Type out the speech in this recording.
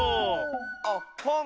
おっほん。